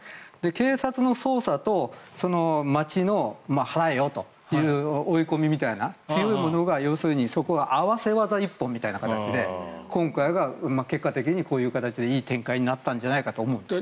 警察の捜査と町の払えよという追い込みみたいな強いものがそこが合わせ技一本みたいな形で今回は結果的にこういう形でいい展開になったんじゃないかと思うんです。